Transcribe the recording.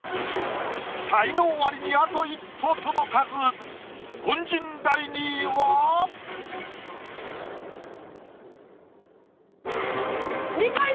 才能アリにあと一歩届かず二階堂！